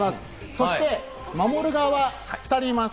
そして守る側が２人います。